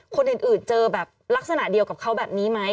คนอื่นเจอแบบลักษณะเดียวกับเขาแบบนี้ไหม